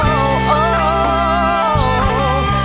สงสารกันหน่อยได้ไหม